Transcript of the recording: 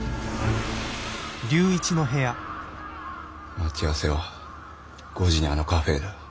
待ち合わせは５時にあのカフェーだ。